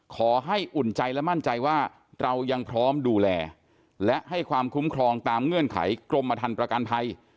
อุ่นใจและมั่นใจว่าเรายังพร้อมดูแลและให้ความคุ้มครองตามเงื่อนไขกรมธรรมประกันภัย